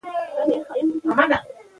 کلي د افغانستان د امنیت په اړه اغېز لري.